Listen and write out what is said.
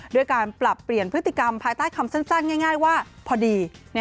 ด้วยการปรับเปลี่ยนพฤติกรรมภายใต้คำสั้นง่ายว่าพอดี